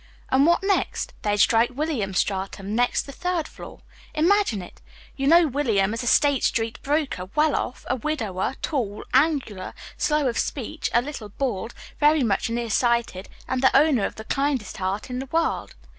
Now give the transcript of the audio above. "And what next? They'd strike William's stratum next, the third floor. Imagine it! You know William as a State Street broker, well off, a widower, tall, angular, slow of speech, a little bald, very much nearsighted, and the owner of the kindest heart in the world.